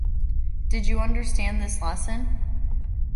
Did you understand this lesson?